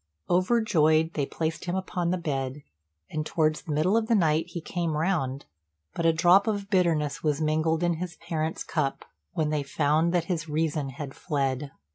Overjoyed, they placed him upon the bed, and towards the middle of the night he came round; but a drop of bitterness was mingled in his parents' cup when they found that his reason had fled.